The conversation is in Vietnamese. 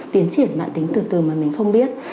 tiến triển mạng tính từ từ mà mình không biết